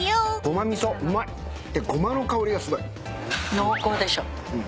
濃厚でしょ？